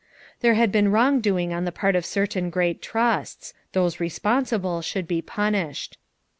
There had been wrong doing on the part of certain great trusts; those responsible should be punished.